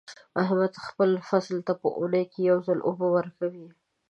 احمد خپل فصل ته په اونۍ کې یو ځل اوبه ورکوي.